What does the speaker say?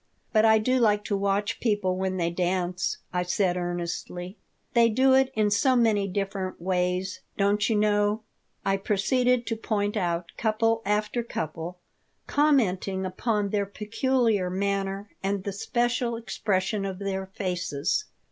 But I do like to watch people when they dance," I said, earnestly. "They do it in so many different ways, don't you know." I proceeded to point out couple after couple, commenting upon their peculiar manner and the special expression of their faces.